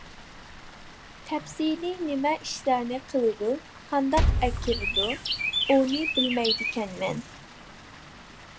تەپسىلىي نېمە ئىشلارنى قىلىدۇ، قانداق ئەكىرىدۇ ئۇنى بىلمەيدىكەنمەن.